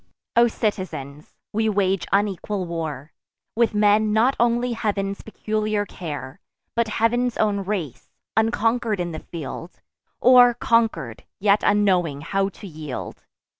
O citizens, we wage unequal war, With men not only Heav'n's peculiar care, But Heav'n's own race; unconquer'd in the field, Or, conquer'd, yet unknowing how to yield.